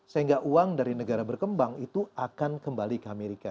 sehingga uang dari negara berkembang itu akan kembali ke amerika